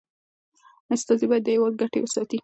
استازي باید د هیواد ګټي وساتي.